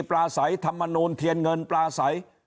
ปลาใสธรรมนูลเทียนเงินปลาใส